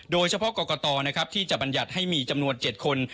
โดยเฉพาะกตที่จะบรรยัติให้มีจำนวน๗คน